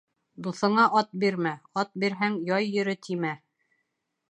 Дуҫыңа ат бирмә, ат бирһәң, «яй йөрө» тимә.